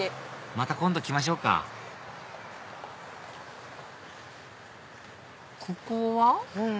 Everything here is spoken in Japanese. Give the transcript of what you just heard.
また今度来ましょうかここは？